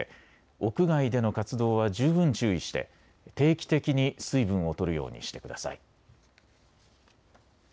屋外での活動は十分注意して定期的に水分をとるようにしてください。